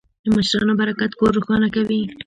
د مشرانو برکت کور روښانه کوي.